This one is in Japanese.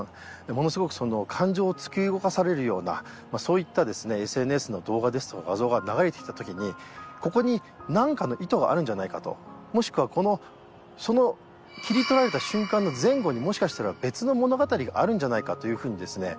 ものすごく感情を突き動かされるようなそういったＳＮＳの動画ですとか画像が流れてきた時にここに何かの意図があるんじゃないかともしくはその切り取られた瞬間の前後にもしかしたら別の物語があるんじゃないかというふうにですね